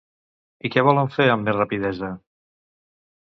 I què volen fer amb més rapidesa?